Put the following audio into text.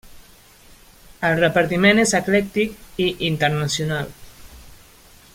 El repartiment és eclèctic i internacional.